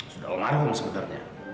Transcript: sudah umarum sebenarnya